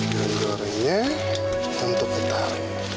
yang gorengnya untuk bentar